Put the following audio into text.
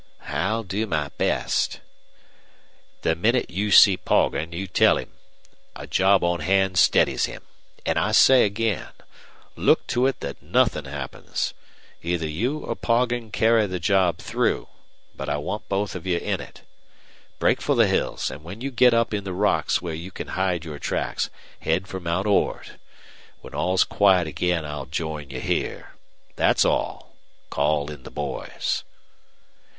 "I'll do my best." "The minute you see Poggin tell him. A job on hand steadies him. And I say again look to it that nothing happens. Either you or Poggin carry the job through. But I want both of you in it. Break for the hills, and when you get up in the rocks where you can hide your tracks head for Mount Ord. When all's quiet again I'll join you here. That's all. Call in the boys."